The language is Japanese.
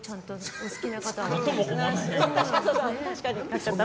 お好きな方は。